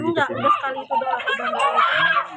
nggak udah sekali itu doang